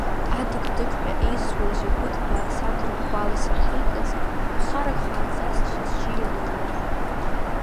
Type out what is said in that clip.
Адық-дықҳәа еисуаз игәыҭбаа садырӷәӷәала сахьикыз, ԥхарак хааӡа сцәа-сжьы ианыруан.